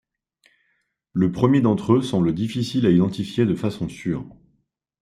Le premier d'entre eux semble difficile à identifier de façon sûre.